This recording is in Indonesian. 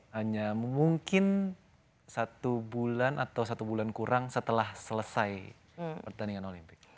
hanya mungkin satu bulan atau satu bulan kurang setelah selesai pertandingan olimpik